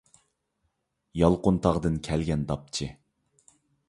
يالقۇنتاغدىن كەلگەن داپچى.